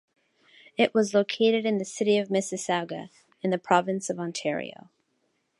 It was located in the city of Mississauga in the province of Ontario.